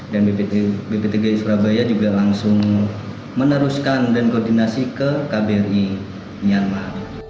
dan bp tiga mi surabaya juga langsung meneruskan dan koordinasi ke kbri nianmah